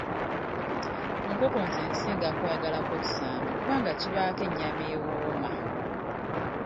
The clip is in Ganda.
Ku nkoko nze nsinga kwagalako kisambi kubanga kibaako ennyama ewooma.